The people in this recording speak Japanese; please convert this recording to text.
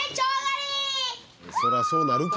そりゃそうなるか。